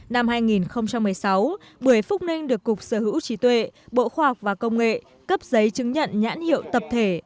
năm hai nghìn một mươi sáu bưởi phúc ninh được cục sở hữu trí tuệ bộ khoa học và công nghệ cấp giấy chứng nhận nhãn hiệu tập thể